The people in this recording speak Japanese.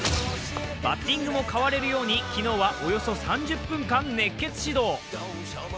バッティングも変われるように、昨日はおよそ３０分間熱血指導。